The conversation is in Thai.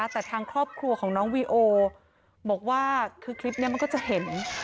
แต่ทางครอบครัวของน้องวีโอบอกว่าคือคลิปนี้มันก็จะเห็น